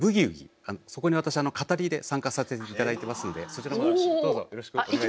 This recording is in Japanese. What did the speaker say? そこに私語りで参加させていただいてますのでそちらもどうぞよろしくお願いいたします。